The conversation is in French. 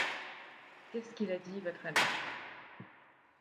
Qu’est-ce qu’il a dit, votre ami ?